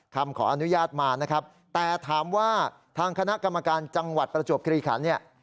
ขออนุญาตมานะครับแต่ถามว่าทางคณะกรรมการจังหวัดประจวบคลีขันเนี่ย